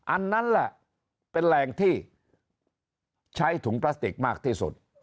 อันนั้นแหละเป็นแหล่งที่ใช้ถุงพลาสติกมากที่สุด